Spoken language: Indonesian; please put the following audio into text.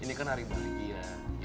ini kan hari bahagia